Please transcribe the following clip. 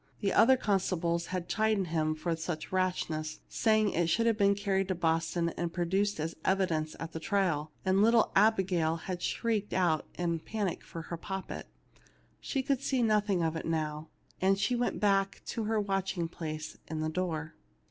The other con stables had chidden him for such rashness, say ing it should have been carried to Boston and 242 THE LITTLE MAID AT THE DOOE produced as evidence at the trial ; and little Abi gail had shrieked out in a panic for her poppet. She could see nothing of it now, and she went back to her watching place in the door.